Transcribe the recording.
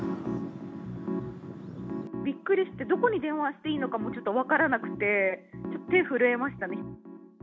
びっくりして、どこに電話していいのかもちょっと分からなくて、手震えましたね。